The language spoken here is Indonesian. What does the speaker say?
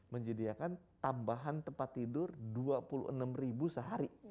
menyediakan tambahan tempat tidur dua puluh enam ribu sehari